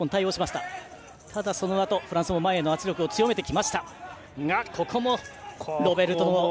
ただ、そのあとフランスも前へ圧力を強める。